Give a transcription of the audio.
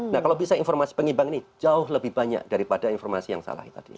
nah kalau bisa informasi pengimbang ini jauh lebih banyak daripada informasi yang salah tadi